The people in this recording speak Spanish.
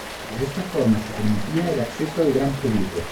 De esta forma se permitía el acceso al gran público.